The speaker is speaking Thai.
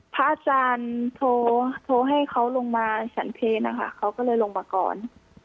พระอาจารย์โทรให้เขาลงมาฉันเพลนะคะเขาก็เลยลงมาก่อน